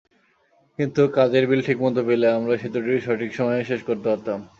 কিন্তু কাজের বিল ঠিকমতো পেলে আমরাই সেতুটি সঠিক সময়ে শেষ করতে পারতাম।